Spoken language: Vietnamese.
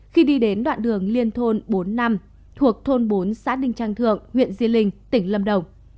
khi đi đến đoạn đường liên thôn bốn năm thuộc thôn bốn xã ninh trang thượng huyện di linh tỉnh lâm đồng